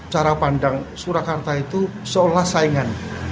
cara pandang surakarta itu seolah saingan